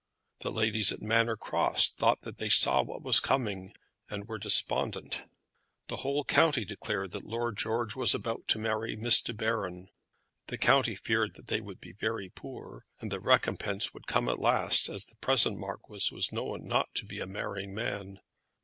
The ladies at Manor Cross thought that they saw what was coming, and were despondent. The whole county declared that Lord George was about to marry Miss De Baron. The county feared that they would be very poor; but the recompence would come at last, as the present marquis was known not to be a marrying man.